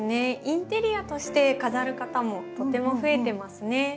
インテリアとして飾る方もとても増えてますね。